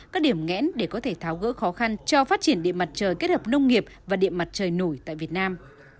các điểm nghẽn để có thể tháo gỡ khó khăn cho phát triển điện mặt trời kết hợp nông nghiệp và điện mặt trời nổi tại việt nam